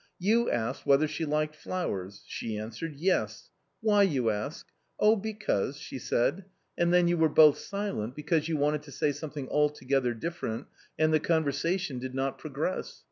You asked whether she liked flowers, she answered * Yes.' ' Why ?' you ask. ' Oh, because,' she said, and then you were both silent, because you wanted to say something altogether different and the conversation did not progress.